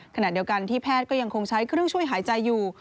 ขณะเดียวกันที่แพทย์ก็ยังคงใช้เครื่องช่วยหายใจอยู่